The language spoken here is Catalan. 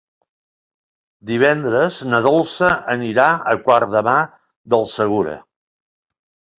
Divendres na Dolça anirà a Guardamar del Segura.